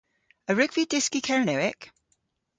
A wrug vy dyski Kernewek?